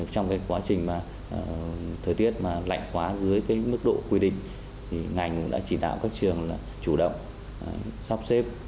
trong quá trình thời tiết lạnh quá dưới mức độ quy định ngành đã chỉ đạo các trường chủ động sắp xếp